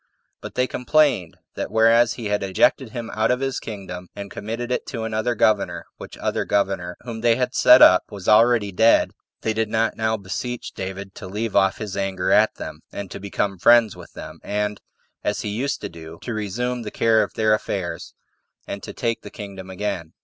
But they complained, that whereas they had ejected him out of his kingdom, and committed it to another governor, which other governor, whom they had set up, was already dead, they did not now beseech David to leave off his anger at them, and to become friends with them, and, as he used to do, to resume the care of their affairs, and take the kingdom again.